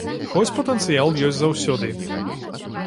Хоць патэнцыял ёсць заўсёды.